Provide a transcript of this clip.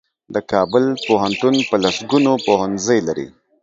د کابل پوهنتون په لسګونو پوهنځۍ لري.